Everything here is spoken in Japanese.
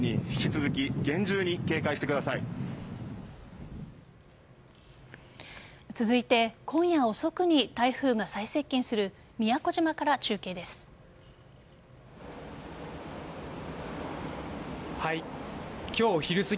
続いて今夜遅くに台風が最接近する宮古島から中継です。